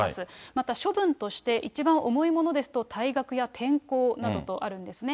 また、処分として一番重いものですと退学や転校などとあるんですね。